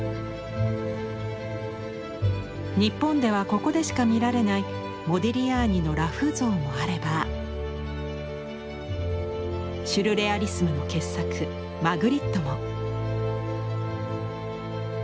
日本ではここでしか見られないモディリアーニの裸婦像もあればシュルレアリスムの傑作マグリットも。